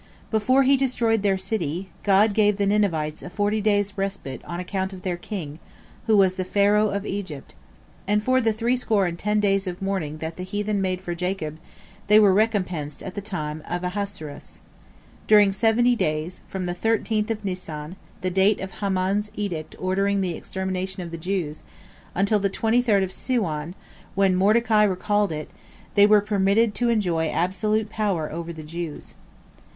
Before He destroyed their city, God gave the Ninevites a forty days' respite on account of their king, who was the Pharaoh of Egypt. And for the three score and ten days of mourning that the heathen made for Jacob, they were recompensed at the time of Ahasuerus. During seventy days, from the thirteenth of Nisan, the date of Haman's edict ordering the extermination of the Jews, until the twenty third of Siwan, when Mordecai recalled it, they were permitted to enjoy absolute power over the Jews.